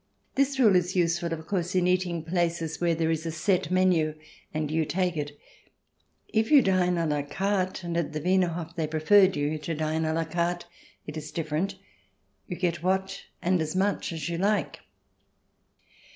This rule is useful, of course, in eating places where there is a set menu and you take it. If you dine a la carte — and at the Wiener Hof they preferred you to dine a la carte — it is different ; you get what and as much as you like.